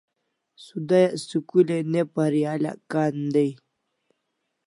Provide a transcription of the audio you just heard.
Sudayak school ai ne parialakan day